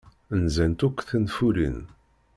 Nzant akk tenfulin.